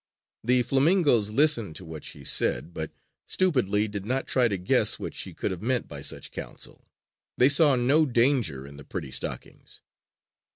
The flamingoes listened to what she said; but, stupidly, did not try to guess what she could have meant by such counsel. They saw no danger in the pretty stockings.